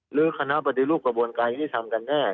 หรือคณะปฏิรูปกระบวนการยุติธรรมกันแน่